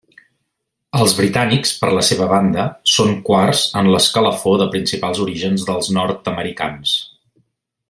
Els britànics per la seva banda són quarts en l'escalafó de principals orígens dels nord-americans.